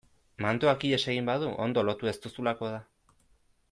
Mandoak ihes egin badu ondo lotu ez duzulako da.